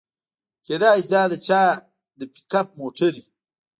کیدای شي دا د چا د پیک اپ موټر وي